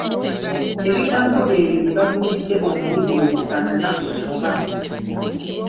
Ebigambo ebyo bye babuulidde omuyizi bwe bifaanana okuba.